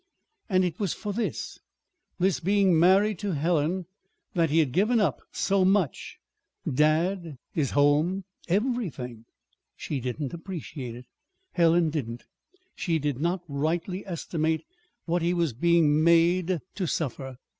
And it was for this, this being married to Helen, that he had given up so much: dad, his home, everything. She didn't appreciate it Helen didn't. She did not rightly estimate what he was being made to suffer.